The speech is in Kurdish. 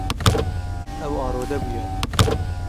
Ew arode bûye.